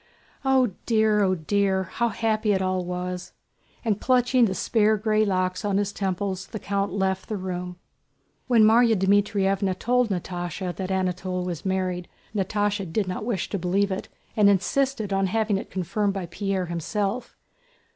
"Oh dear! Oh dear! How happy it all was!" And clutching the spare gray locks on his temples the count left the room. When Márya Dmítrievna told Natásha that Anatole was married, Natásha did not wish to believe it and insisted on having it confirmed by Pierre himself.